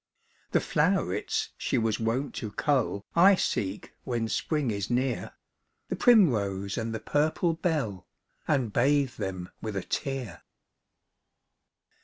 The flow'rets she was wont to cull I seek when spring is near, The primrose and the purple bell, And bathe them with a tear.